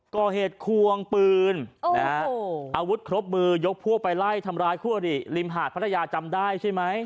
ก่อเหตุควงปืนนะฮะอาวุธครบมือยกพวกไปไล่ทำร้ายคู่อริริมหาดพัทยาจำได้ใช่ไหม